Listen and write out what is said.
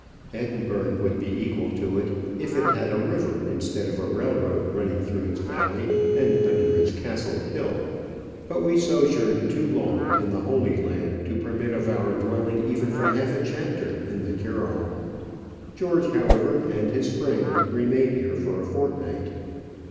Edinburgh would be equal to it, if it had a river instead of a railroad running through its valley and under its Castle hill. But we sojourned too long in the Holy Land to permit of our dwelling even for half a chapter in the Tyrol. George, however, and his friend remained there for a fortnight.